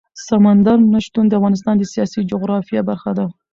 سمندر نه شتون د افغانستان د سیاسي جغرافیه برخه ده.